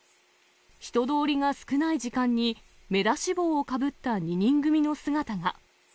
人通りが少ない時間に、目出し帽をかぶった２人組の姿が。